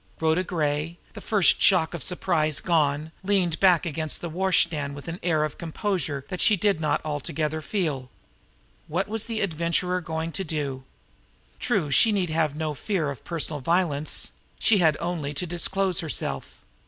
Rhoda Gray, the first shock of surprise gone, leaned back against the washstand with an air of composure that she did not altogether feel. What was the Adventurer going to do? True, she need have no fear of personal violence she had only to disclose herself.